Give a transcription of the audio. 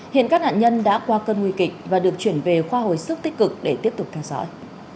hiện các nạn nhân đã qua cơn nguy kịch và được chuyển về khoa hồi sức tích cực để tiếp tục theo dõi